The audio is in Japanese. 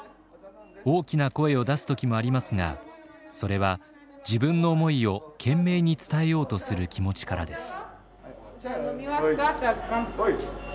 大きな声を出す時もありますがそれは自分の思いを懸命に伝えようとする気持ちからです。